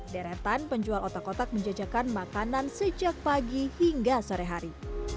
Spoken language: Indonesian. deretan penjual otak otak menjajakan makanan sejak pagi hingga sore hari